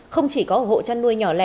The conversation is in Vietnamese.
không chỉ có hộ trăn nuôi nhỏ lẻ